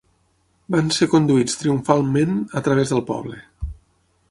Van ser conduïts triomfalment a través del poble